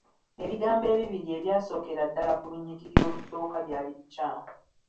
Ebigambo ebibiri ebyasookera ddala ku lunyiriri olusooka byali bikyamu.